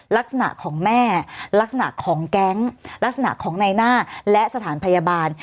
ลักษณะของแม่ลักษณะของแก๊งลักษณะของในหน้าและสถานพยาบาล